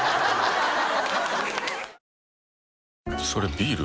それビール？